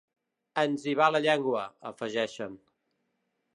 Ens hi va la llengua, afegeixen.